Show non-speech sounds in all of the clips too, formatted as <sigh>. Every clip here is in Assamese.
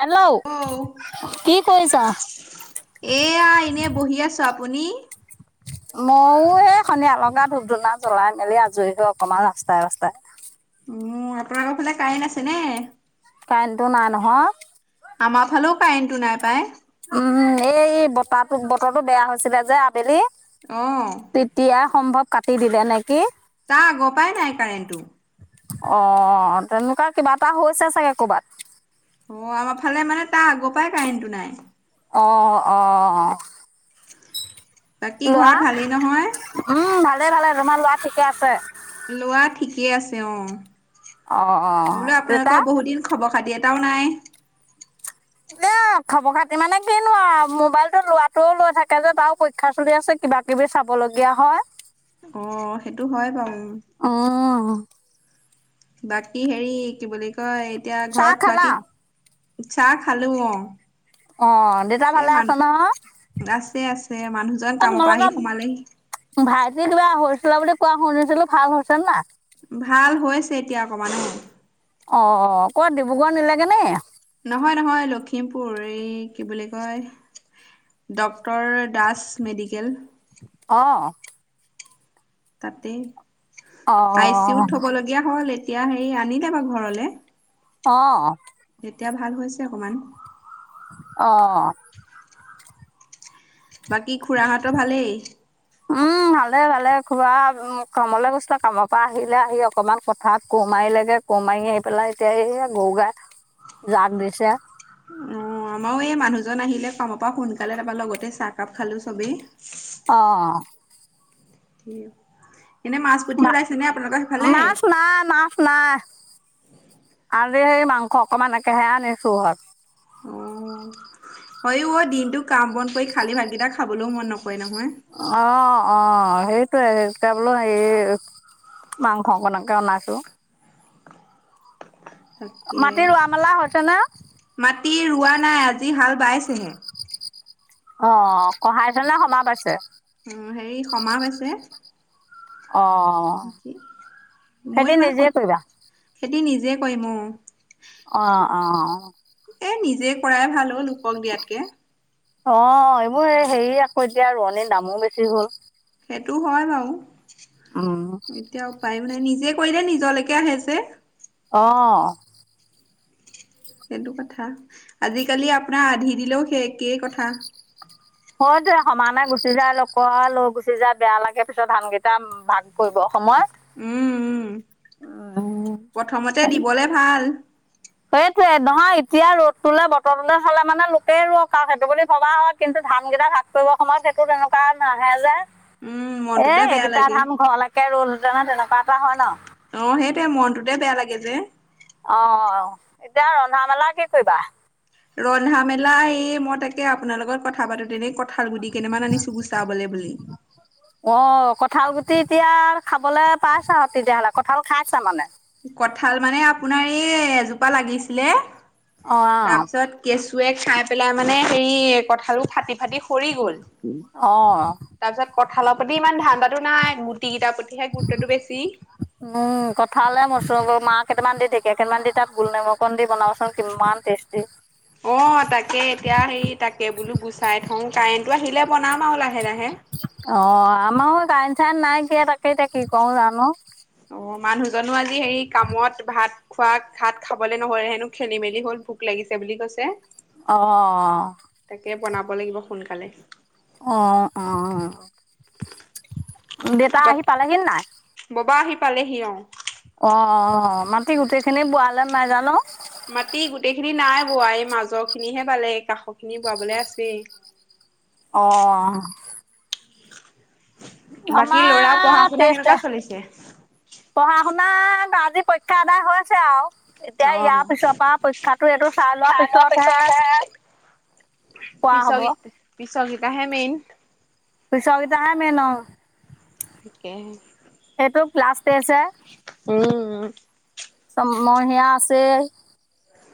হেল্ল' অ' কি কৰিছা? এয়া এনে বহি আছোঁ আ পণীৰ ময়ো এই সন্ধিয়া লগা ধূপ ধূনা জ্বলাই মেলি আজৰি হৈ অকমান ৰাস্তাই ৰাস্তাই উম, আপোনালোক ফালে কাৰেণ্ট আছে নে? কায়েনটো নাই নহয়। আমাৰ ফালেও কাৰেণ্টটো নাই পায়। উম, এই বতাহটো বতৰটো বেয়া হৈছিলে যে আবেলি অ'। তেতিয়াই সম্ভৱ কাটি দিলে নেকি। তাৰ আগৰ পৰাই নাই কাৰেণ্টটো। অ', তেনেকুৱা কিবা এটা হৈছে চাগে কবাত। অ', আমাৰ ফালে মানে তাৰ আগৰ পৰাই কাৰেণ্টটো নাই। অ', অ'। বাকী ঘৰত লোৱা, ভালেই নহয়? উম, ভালে ভালে তোমাৰ লৰা ঠিকে আছে? লোৱা ঠিকে আছে অ', অ অ বোলো দেউতা আপোনালোকৰ বহু দিন খবৰ খাতি <unintelligible> নাই। <unintelligible> <unintelligible> খবৰ খাতি মানে কিনো আও, মোবাইলটো লৰাটোৱেও লৈ থাকে যে তাৰো পৰীক্ষা চলি আছে কিবা কিবি চাব <unintelligible> লগীয়া হয়। অ', সেইটো হয় বাৰু। অ বাকী হেৰি কি বুলি কয়, এতিয়া চাহ ঘৰত খালা বাকী চাহ খালো অ'। অ', দেউতা এই ভালে আছে মানুহ নহয়? আছে আছে, মানুহজন কামৰ পৰা আহি সোমালেহি। ভাইটিৰ কিবা হৈছিলে বুলি কোৱা শুনিছিলোঁ ভাল হৈছে নাই। ভাল হৈছে এতিয়া অকণমান অ'। অ' অ' ক'ত ডিব্ৰুগড় নিলেগৈ নেকি? নহয়, নহয় লখিমপুৰ এই কি বুলি কয়? Doctor Das medical. অহ'। তাতেই অ আই চি ইউত থবলগীয়া হ'ল এতিয়া এতিয়া হেৰি আনিলে বাৰু ঘৰলৈ। অহ' এতিয়া ভাল হৈছে অকণমান। অহ' বাকী খুৰাহঁতৰ ভালেই উম, ভালে ভালে। খুৰা উম, কামলৈ গৈছিল, কামৰ পৰা আহিলে, আহি অকমান পথাৰত কোৰ মাৰিলেগৈ কোৰ মাৰি আহি পেলাই কে এই‌য়া গৰু গায় জাগ দিছে। অ' আমাৰো এই মানুহজন আহিলে কামৰ পৰা সোনকালে, তাৰপৰা লগতে চাহকাপ খালোঁ চবেই। অহ' কিপ মা মাছ নাই, মাছ নাই। আজি মাংস অকমান এনেকহে আনিছোঁ ঘৰত। উম, হয় হয় ও অ' দিনতটো কাম বন কৰি খালী ভাতকেইটা খাবলও মন নকৰে। নহয় অ' অ'। সেইটোয়ে, এতিয়া বোলোঁ এই মাংস অকনকে অনাইছোঁ। তাকে, মাটি ৰোৱা মেলা হৈছে নে? মাটি ৰোৱা নাই, আজি হাল বাইছেহে। অ', খহাই থলে <unintelligible> পাইছে। উম, হেৰি <unintelligible> হৈছে। অ', নেকি মই খেতি ইমান নিজে কৰিবা। খেতি নিজে কৰিম অ'। অ', অ'। এ নিজে কৰাই ভাল অ', লোকক দিয়াতকৈ। অ', এইবোৰ এই হেৰি আকৌ এতিয়া ৰোৱনীৰ দামো বেছি হ'ল। সেইটো হয় বাৰু, উম, এতিয়া উপাইও নাই। নিজে কৰিলে নিজলেকে আহে যে। অ'। সেইটো কথা। আজিকালি আপোনাৰ আধি দিলেও সেই একেই কথা। হয়টো, সমানে গুচি যায়, লোকৰ লৈ গুচি যাই বেয়া লাগে পিছত ধানকেইটা ভাগ কৰিব সময়ত। উম, উম। উম। প্ৰথমতে দিবলে ভাল। সেইটোৱে, নহয় এতিয়া ৰ'দটোলৈ, বতৰটোলৈ চালে মানে লোকেই ৰুৱক আৰু সেইটো বুলি ভবা হয়। কিন্তু ধান কেইটা ভাগ কৰিব সময়ত সেইটো তেনেকুৱা নাহে যে। উম মনটোতে এ, বেয়া এইকেইটা লাগে ধান ঘৰলৈকে ৰ'ল হেতেনে এ তেনেকুৱা এটা হয় ন? অ' সেইটোৱে, মনটোতে বেয়া লাগে যে। অ', এতিয়া ৰন্ধা মেলা কি কৰিবা? ৰন্ধা মেলা এই মই তাকে আপোনাৰ লগত কথা পাতো <unintelligible> কঁঠাল গুটি কেইটামান আনিছো গুচাবলৈ বুলি। অ কঁঠাল গুটি এতিয়া খাবলৈ পাইছা আৰু তেতিয়াহ'লে, কঠাল খাইছা মানে? কঠাল মানে আপোনাৰ এই এজোপা লাগিছিলে, অ তাৰপিছত কেচু <unintelligible> খাই পেলাই মানে সেই, কঠালটো ফাটি ফাটি সৰি গ'ল। অ'। তাৰ পিছত কঁঠালৰ প্ৰতি ইমান ধান্দাটো নাই, গুটি কেইটাৰ প্ৰতিহে গুৰুত্বটো বেছি। ভালে মচুৰমাহ কেইটামান দি, ঢেঁকীয়া কেইটান দি, তাত গোলনেমু অকণ দি বনাবচোন কিমান টেষ্টি অ তাকে এতিয়া সেই তাকে বোলো গুচাই থওঁ। কাৰেণ্ট অ আমাৰো কাৰেণ্ট চাৰেণ্ট নাই কিয়া তাকে এতিয়া কি কৰো জানোঁ? অ' মানুহজনো আজি হেৰি কামত ভাত খোৱাত ভাত খাবলে নহ'ল হেনো খেলি-মেলি হ'ল ভোক লাগিছে বুলি কৈছে। অ। তাকে বনাব লাগিব সোনকালে। অ, অ দেতা বাক আহি পালেহি নে নাই? ববা আহি পালেহি অ। অ অ মাটি গোটেইখিনি বোৱালে নাই জানো? মাটি গোটেইখিনি নাই বোৱা, এই মাজৰখিনিহে বালে কাষৰখিনি বোৱাবলে আছেই। অ। বাকী ল'ৰাৰ আমাৰ পঢ়া-শুনা কেনেকুৱা চলিছে? শুনাক আজি পৰীক্ষা আদায় হৈছে আও। এতিয়া ইয়াৰ পিছৰ পা পৰীক্ষাটো এইটো চাই লোৱা পিছতহে কোৱা পিছ হ'ব। গিত পিছৰ গিতা হে মেইন। পিছৰ গিতা হে মেইন অ। ঠিকে সেইটো ক্লাছ টেষ্ট হে। <unintelligible> ছমহীয়া আছে।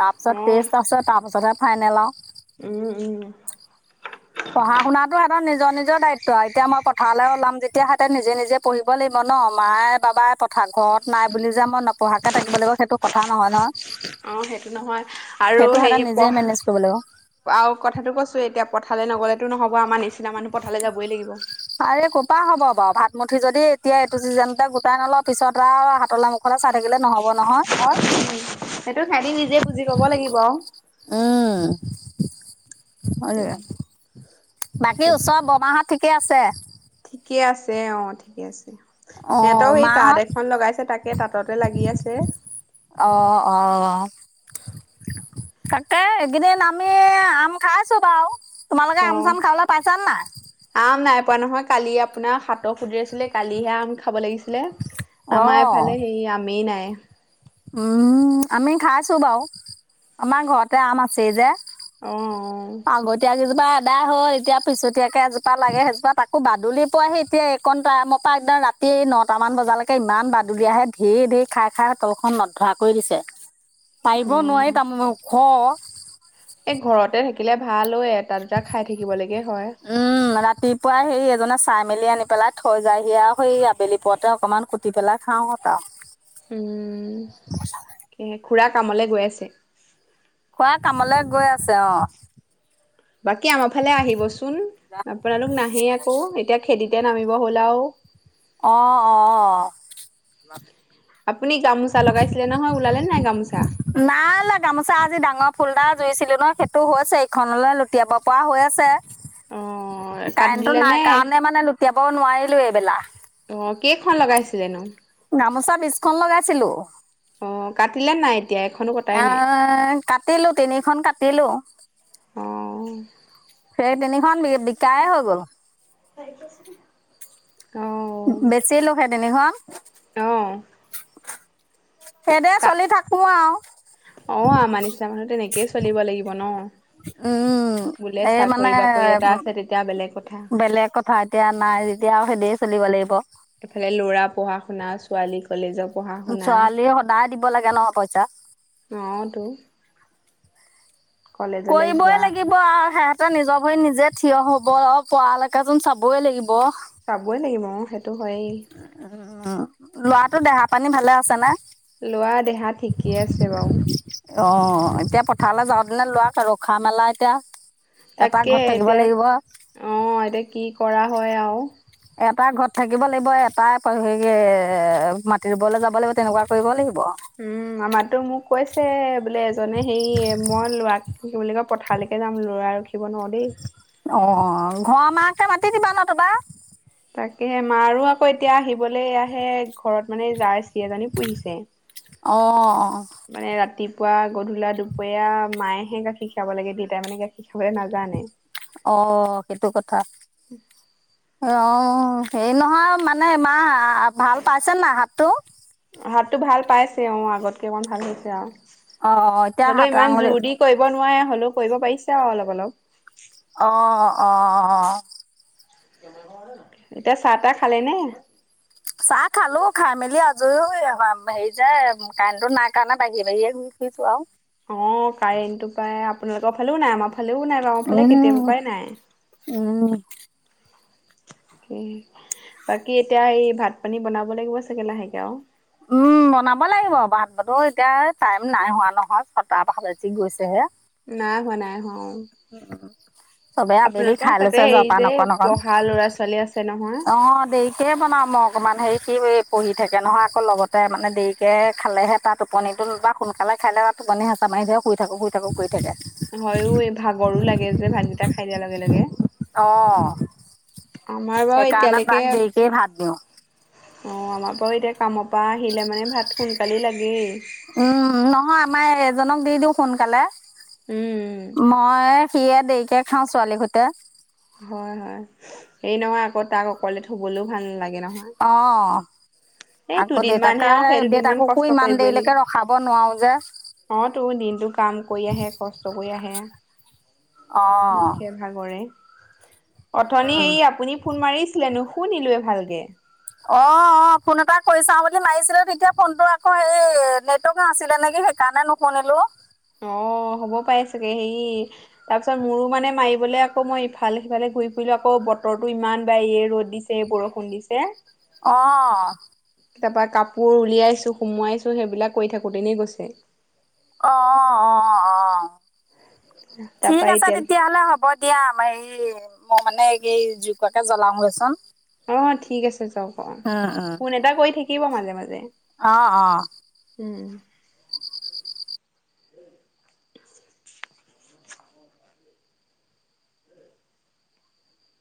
তাৰপিছত টেষ্ট আছে, তাৰপিছতহে ফাইনেল আও। উম, উম। পঢ়া-শুনাতো সিহঁতৰ নিজৰ নিজৰ দায়িত্ব আৰু। এতিয়া মই পথাৰলৈ ওলাম যেতিয়া সিহঁ তে নিজে নিজে পঢ়িব লাগিব ন। মায়ে, বাবাই পথাৰত ঘৰত নাই বুলি যে মই ন নপঢ়াকে থাকিব লাগিব সেইটো কথা নহয় নহয়। অ সেইটো নহয় আৰু সেইটো সিহঁতে হেৰি নিজে মেনেজ কৰিব লাগিব পঢ়া আৰু কথাটো কৈছোঁ এতিয়া পথাৰলৈ নগ'লেতো নহ'ব আমাৰ নিচিনা মানুহ পথাৰলৈ যাবই লাগিব। আৰে কৰ পৰা হ'ব বাৰু। ভাত মুঠি যদি এতিয়া এইটো চিজনতে গোটাই নলওঁ পিছত আৰু হাতলে মুখলৈ চাই থাকিলে নহ'ব নহয়। সেইটো তেহতি নিজে বুজি পাব লাগিব আৰু। উম হয় দিয়া। আৰু বাকী ওচৰ বৰমাহঁত ঠিকে আছে? ঠিকে আছে, অ ঠিকে আছে। অঁ সিহঁতৰ সেই তাঁত মাহঁত এখন লগাইছে, তাকে তাঁততে লাগি আছে। অ, অ তাকে, এইকেইদিন আমি আম খাইছোঁ বাৰু। তোমালোকে অ আম-চাম খাবলৈ পাইছানে নাই? খোৱা নহয়। কালি আপোনাৰ হাতক সুদ্ৰি আছিলে, কালিহে আমি খাব লাগিছিল। ছিলে। আমাৰ অঁ এফালে সেই আমেই নাই। উম আমি খাইছোঁ বাৰু। আমাৰ ঘৰতে আম আছে যে। অ অ আগতে এজোপাত আদায় হ'ল। এতিয়া পিছতীয়াকে এজোপা লাগে সেইজোপা আকৌ বাদুলিৰ পোৱাহি এতিয়া এইকণ টাইমৰ পৰা একদম ৰাত এই নটামান বজালৈকে ইমান বাদুলি আহে। ধেৰ, ধেৰ খাই, খাই তলখন নধৰা কৰি দিছে। পাৰিবও উম নোৱাৰি তাৰমানে ওখ এই ঘৰতে থাকিলে ভাল এই এয়াত উম ৰাতিপুৱাই সেই এজনে চাই মেলি আনি পেলাই থৈ যায়হি আও সেই আবেলি পৰতে অকমান কুটি পেলাই খাওঁ তাও উম এ খুৰা কামলে গৈ আছে। খুৰা কামলে গৈ আছে অ। বাকী আমাৰ ফালে আহিবচোন। আপোনালোক নাহে আকৌ, এতিয়া খেতি তে নামিব হ'ল আৰু। অ- অ আপুনি গামোচা লগাইছিলে নহয় ওলালে নাই গামোচা নাই লা গামোচা আজি ডাঙৰ ফুলডাৰ জুইছিলো ন সেইটো হৈছে এইখনলৈ লুটিয়াব পৰা হৈ আছে অ' কাৰেণ্টটো কাটিলে নাই নে কাৰণে মানে লুটিয়াব নোৱাৰিলো এইবেলা অ কেইখন লগাইছিল না গামোচা বীজখন লগাইছিলো অ' কাটিলে নাই এতিয়া এখনো কটাই অ নাই 'কাটিলো তিনিখন কাটিলো অ' সেই তিনিখন বি বিকায়ে হৈ গ'ল তাই কছ <inaudible> বেছিলে তিনিখন। অ' সেইটোৱে কা চলি থাকো আৰু। অ' আমাৰ নিচিনা মানুহ তেনেকেই চলিব লাগিব ন উম বোলে এই মানে চাকৰি বাকৰি এটা আছে তেতিয়া বেলেগ কথা বেলেগ কথা এতিয়া নাই। তেতিয়া আৰু সেইদে চলিব লাগিব। এফালে ল'ৰা পঢ়া শুনা ছোৱালী কলেজক। ছোৱালী সদায় দিব লাগে নহয় পইচা। অ' তো কলেজলৈ কৰিবই যোৱা আমি লাগিব আৰু হে। নিজৰ ভৰি নিজে থিয় হব পঢ়ালৈকাে যোন চাবই লাগিব। চাবই লাগিব অ সেইটো হয়েই। উম, লৰাটো দেহা পানী ভালে আছে নে। ল'ৰা দেহা ঠিকেই আছে বাৰু অ' এতিয়া পথাৰলৈ যাওঁতেনে লোৱক আৰু খ মেলা এতিয়া এটা তাকে ঘৰত থাকিব এতিয়া লাগিব, অ এতিয়া কি কৰা হয় আৰু। এটা ঘৰত থাকিব লাগিব এটা হেৰি মাটি ৰুবলৈ যাব লাগিব তেনেকুৱা কৰিব লাগিব। উম আমাৰতো মোক কৈছে বোলে এজনে হেৰি মই লোৱাক। কি বুলি কয় পথাৰালৈকে যাম ল'ৰা। নোৱাৰো দেই অ' ঘৰ মাহকে মাতি দিবা ন তোবা তাকেহ মাৰো আকৌ এতিয়া আহিবলৈ আহে ঘৰত মানে যাৰ চি এজনী পুহিছে। অ অ মানে ৰাতি। পুৱা গধূলা দুপৰীয়া মায়েহে গাখীৰ খাব লাগে দেউতাই মানে গাখীৰ খাবলৈ নাজানে। অ 'সেইটো কথা অ' হেৰি নহয় মানে ইমাহ ভাল পাইছে না হাতটো হাতটো ভাল পাইছে অঁ আগতকৈ অকমান ভাল হৈছে আৰু অ' অ', এতিয়া হলেও হাত ইমান আঙুলি জোৰ দি কৰিব নোৱাৰে হ'লেও কৰিব পাৰিছে আৰু অলপ অলপ। অ অ এতিয়া চাহ তাহ খালে নে? চাহ খালো খাই মেলি আজৰি হেৰি যে কাৰেণ্টটো নাই কাৰণে বাঢ়ি বাঢ়ি। সজো আৰু <inaudible> অ' কাৰেণ্টটো পাই আপোনালোকৰ ফালেও নাই আমাৰ ফালেও নাই বাৰু ফালে কেতিয়াবা উম পৰাই নাই উম বাকী এতিয়া এই ভাত পানী বনাব লাগিব চাগে লাহেকে আৰু উম বনাব লাগিব ভাত বাতো এতিয়া টাইম নাই হোৱা নহয় ছটাাহি বাজি গৈছেহে। নাই হোৱা নাই হ। চবে আবেলি আপোনালোকৰ খাই লৈছে তাতে হেৰি জলপান যে অকণ অকণ পঢ়া লৰা ছোৱালী আছে নহয়। অ 'দেৰিকে বনাও মই অকণমান হেৰি সি পঢ়ি থাকে নহয় আকৌ লগতে মানে দেৰিকৈ খালেহে তাত টোপনিটো বা সোনকালে খালে তাত। পানী হেচাঁমাৰি ধৰি শুই থাকো শুই থাকো ঘূৰি থাকে। হয়ো এই ভাগৰো লাগে যে ভাতকেইটা খাই দিয়াৰ লগে লগে। অ আমাৰ বাৰু সেইকাৰণে এতিয়ালৈকে তাক অ', দেৰিকেই ভাত দিওঁ আমাৰ বাৰু এতিয়া কামৰ পৰা আহিলে মানে ভাত সোনকালে লাগে। উম, নহয় আমাৰ এজনক দি দিওঁ সোনকালে। উম মই, সিয়ে দেৰিকে খাও ছোৱালী সৈতে। হয় হয়, হেই নহয় আকৌ তাক অকলে থবলৈও ভাল নালাগে। নহয়। অ'। এই আকৌ দুদিনমানহে দেউতাকে, আৰু সেই দুদিনমান দেউতাককো কষ্ট ইমান কৰিবই লাগিব। দেৰিলৈকে ৰখাব নোৱাৰো যে। অ', তো দিনতটো কাম কৰি আহে, কষ্ট কৰি আহে, অ', দুখে ভাগৰে অথনি উম, হে আপুনি ফোন মাৰিছিলে, নুশুনিলোয়ে ভালকে। অ', অ', ফোন এটা কৰি চাও বুলি মাৰিছিলো, তেতিয়া ফোনটো আকৌ হে, নেটৱৰ্ক নাছিলে নেকি। সেইকাৰণে নুশুনিলো। অ', হ'ব পাই চাগে হেৰি, তাৰপিছত মোৰো মানে মাৰিবলে আকৌ মই ইফালে সিফালে ঘুৰি ফুৰিলো, আকৌ বতৰটো ইমান বাৰে ৰ'দ দিছে বৰষুণ দিছে। অ'। তাৰ পৰা কাপোৰ উলিয়াইছো, সুমোৱাইছো সেইবিলাক কৰি থাকোঁতেনেই গৈছে। অ', অ', অ'। ঠিক তাৰপা আছে এতিয়া তেতিয়াহ'লে হ'ব দিয়া, এই মই মানে এই জুইকুৰাকে জলাও গৈচোন। অ', ঠিক আছে যাওক অ', উম, ফোন এটা কৰি থাকিব মাজে মাজে। অ', অ'। উম।